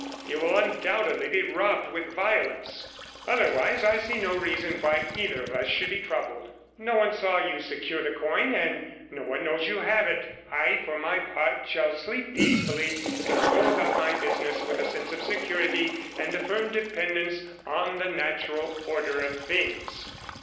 You will undoubtedly be robbed with violence. Otherwise, I see no reason why either of us should be troubled. No one saw you secure the coin, and no one knows you have it. I, for my part, shall sleep peacefully, and go about my business with a sense of security and a firm dependence on the natural order of things.